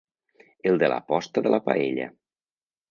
El de l'aposta de la paella.